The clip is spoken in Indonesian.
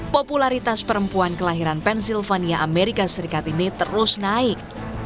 popularitas perempuan kelahiran pensylvania amerika serikat ini terus naik